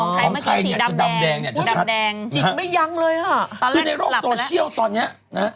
อ่าของไทยนี่สีดำแดงจิกละยั้งเลยในโลกโซเชียลตอนนี้